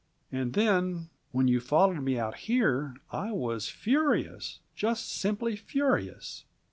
And then, when you followed me out here, I was furious! Just simply furious!"